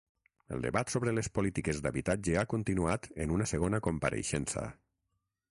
El debat sobre les polítiques d’habitatge ha continuat en una segona compareixença.